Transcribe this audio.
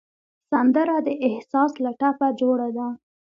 سندره د احساس له ټپه جوړه ده